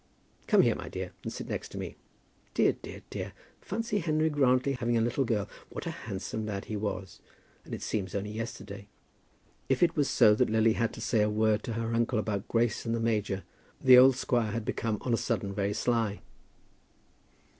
"Come here, my dear, and sit next to me. Dear, dear, dear; fancy Henry Grantly having a little girl. What a handsome lad he was. And it seems only yesterday." If it was so that Lily had said a word to her uncle about Grace and the major, the old squire had become on a sudden very sly.